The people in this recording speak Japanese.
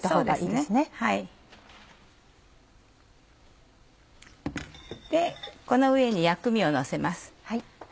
でこの上に薬味をのせます。